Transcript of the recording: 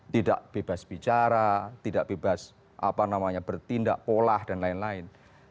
tidak bebas bicara tidak bebas bertindak polah dan lain lain